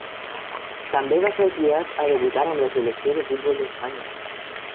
També va ser cridat a debutar amb la selecció de futbol d'Espanya.